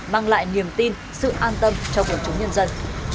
mang lại niềm tin sự an tâm cho quần chúng nhân dân